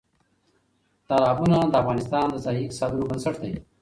تالابونه د افغانستان د ځایي اقتصادونو بنسټ دی.